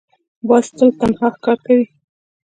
باز تل تنها ښکار کوي